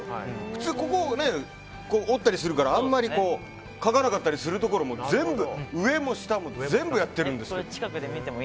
普通、ここ折ったりするから、あんまり描かなかったりするところも全部上も下も全部やってるんです。